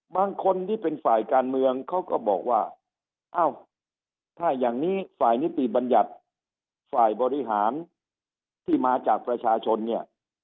บางคนที่เป็นฝ่ายการเมืองเขาก็บอกว่าเอ้าถ้าอย่างนี้ฝ่ายนิติบัญญัติฝ่ายบริหารที่มาจากประชาชนเนี่ย